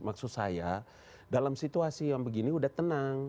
maksud saya dalam situasi yang begini udah tenang